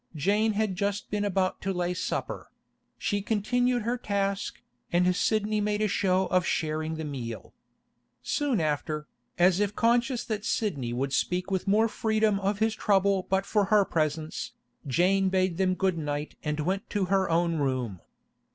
Jane had just been about to lay supper; she continued her task, and Sidney made a show of sharing the meal. Soon after, as if conscious that Sidney would speak with more freedom of his trouble but for her presence, Jane bade them good night and went to her own room.